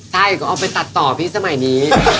ใช่ก็เอาไปตัดต่อพี่สมัยนี้